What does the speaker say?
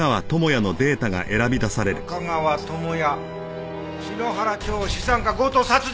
「中川智哉」「篠原町資産家強盗殺人事件」！